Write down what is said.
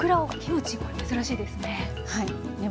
これ珍しいですね。